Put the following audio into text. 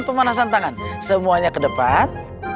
pemanasan tangan semuanya ke depan